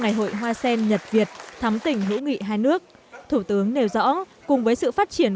ngày hội hoa sen nhật việt thắm tỉnh hữu nghị hai nước thủ tướng nêu rõ cùng với sự phát triển